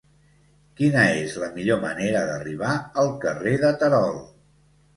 Quina és la millor manera d'arribar al carrer de Terol?